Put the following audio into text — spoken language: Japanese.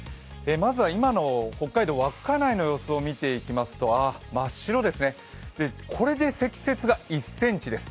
まずは今の北海道・稚内の様子を見てきますと真っ白ですね、これで積雪が１ｃｍです。